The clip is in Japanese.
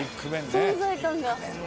存在感が。